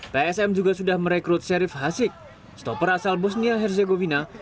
psm juga sudah merekrut sherif hasik stopper asal bosnia herzegovina